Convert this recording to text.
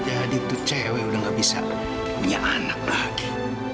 jadi itu cewek udah nggak bisa punya anak lagi